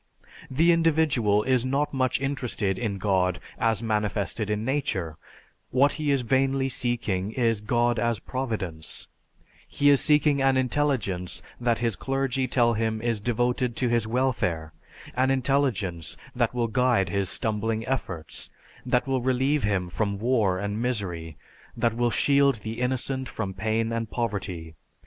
The individual is not much interested in God as manifested in nature, what he is vainly seeking is God as Providence; he is seeking an intelligence that his clergy tell him is devoted to his welfare, an intelligence that will guide his stumbling efforts, that will relieve him from war and misery, that will shield the innocent from pain and poverty.